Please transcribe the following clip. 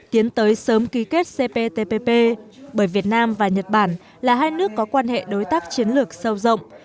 tiến tới sớm ký kết cptpp bởi việt nam và nhật bản là hai nước có quan hệ đối tác chiến lược sâu rộng